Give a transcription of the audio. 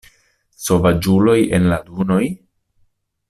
Sovaĝulo en la dunoj!?